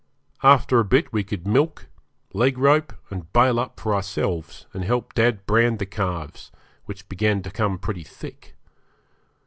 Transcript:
After a bit we could milk, leg rope, and bail up for ourselves, and help dad brand the calves, which began to come pretty thick.